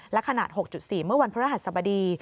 และขนาด๖๔เมื่อวันพระรหัสบดี